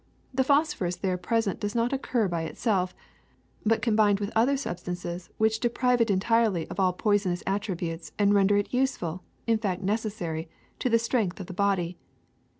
The phosphorus there present does not occur by it self, but combined with other substances which de prive it entirely of all poisonous attributes and render it useful, in fact necessary, to the strength of the body.